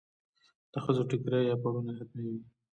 د ښځو ټیکری یا پړونی حتمي وي.